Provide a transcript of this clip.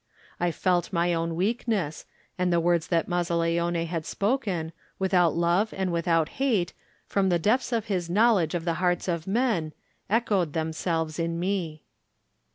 I felt my own weakness, and the words that Mazzaleone had spoken, without love and without hate, from the depths of his knowledge of the hearts of men, echoed themselves in me.